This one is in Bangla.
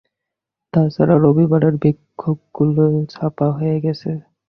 তা ছাড়া রবিবারের বক্তৃতাগুলিও ছাপা হয়ে গেছে।